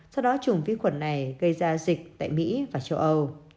sau đó chủng vi khuẩn này gây ra dịch tại mỹ và châu âu